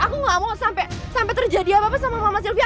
aku gak mau sampai terjadi apa apa sama mama sylvia